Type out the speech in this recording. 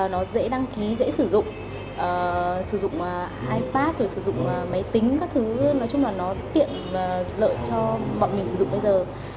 nó dễ đăng ký dễ sử dụng sử dụng ipad rồi sử dụng máy tính các thứ nói chung là nó tiện lợi cho bọn mình sử dụng bây giờ